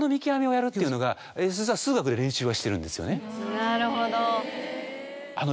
なるほど。